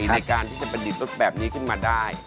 ในการที่จะประดิษฐ์แบบนี้ขึ้นมาได้